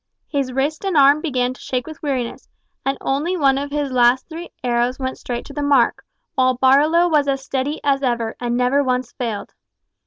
His wrist and arm began to shake with weariness, and only one of his three last arrows went straight to the mark, while Barlow was as steady as ever, and never once failed.